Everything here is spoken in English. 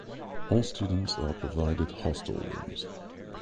All students are provided hostel rooms.